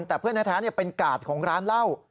แต่เพื่อนแท้เป็นกาดของร้านเหล้า